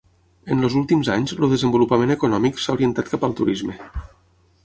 En els últims anys el desenvolupament econòmic s'ha orientat cap al turisme.